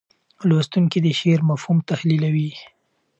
لوستونکي د شعر مفهوم تحلیلوي.